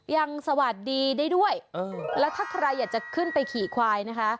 ยังสวัสดีได้ด้วยแล้วถ้าใครอยากจะขึ้นไปขี่ควายนะคะ